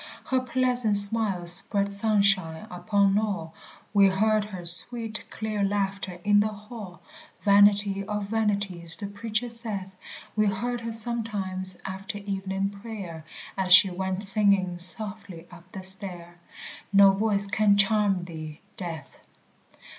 Her pleasant smile spread sunshine upon all; We heard her sweet clear laughter in the Hall Vanity of vanities the Preacher saith We heard her sometimes after evening prayer, As she went singing softly up the stair No voice can charm thee, Death.